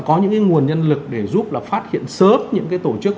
có những cái nguồn nhân lực để giúp là phát hiện sớm những cái tổ chức